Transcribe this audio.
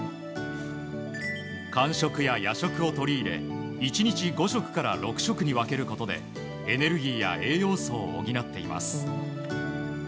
間食や夜食を取り入れ１日５食から６食に分けることでエネルギーや栄養素を補っています。